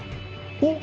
おっ？